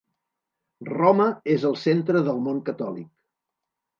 Roma és el centre del món catòlic.